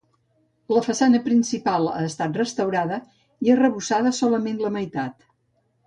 La façana principal ha estat restaurada i arrebossada solament la meitat.